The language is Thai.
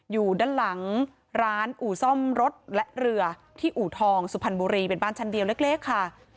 อยู่ด้านหลังร้านอู่ซ่อมรถและเรือที่อู่ทองสุพรรณบุรีเป็นบ้านชั้นเดียวเล็กค่ะ